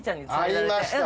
ありました。